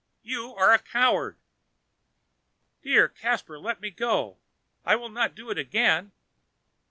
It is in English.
you are a coward!" "Dear Caspar, let me go; I will not do it again!"